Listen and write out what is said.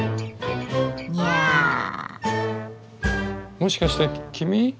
もしかして君？